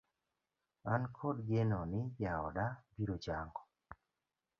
An kod geno ni jaoda biro chango